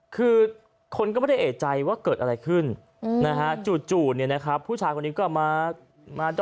คือคนก็ไม่ได้เอกใจว่าเกิดอะไรขึ้นจู่ผู้ชายคนนี้ก็มาดำ